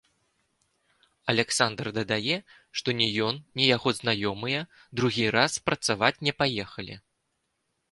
Аляксандр дадае, што ні ён, ні яго знаёмыя другі раз працаваць не паехалі.